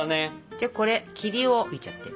じゃあこれ霧を吹いちゃって。